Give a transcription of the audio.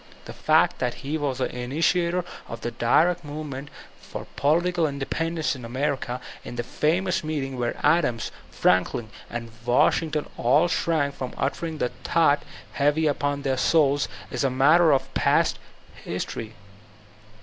The fact that he was the initiator of the direct movement for political independence in America, in the famous meeting where Adams, Franklin and Washington all shrank from uttering the thought heavy upon their souls, b a matter of past history.